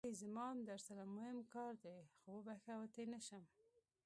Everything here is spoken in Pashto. ای زما ام درسره موهم کار دی خو وبښه وتی نشم.